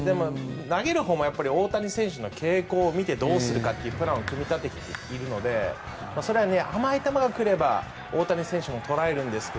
投げるほうも大谷選手の傾向を見てどうするかというプランを組み立てているので甘い球が来れば大谷選手も捉えるんですが